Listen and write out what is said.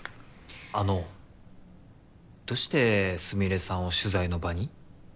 あのどうしてスミレさんを取材の場に？